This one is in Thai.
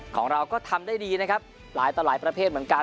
ของเราก็ทำได้ดีนะครับหลายต่อหลายประเภทเหมือนกัน